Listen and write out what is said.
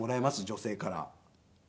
女性から。